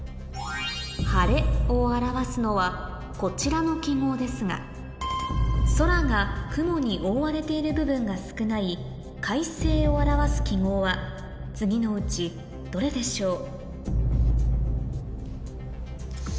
晴れを表すのはこちらの記号ですが空が雲に覆われている部分が少ない快晴を表す記号は次のうちどれでしょう？